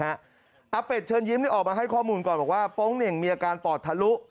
อาเป็ดเชิญยิ้มออกมาให้ข้อมูลก่อนบอกว่าโป๊งเหน่งมีอาการปอดทะลุ